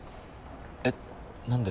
えっ何で？